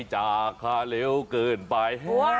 เจ้าเพื่อนยาย